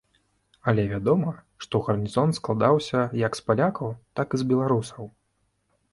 Але вядома, што гарнізон складаўся як з палякаў, так і з беларусаў.